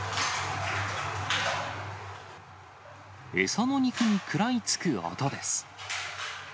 餌の肉に食らいつく音です。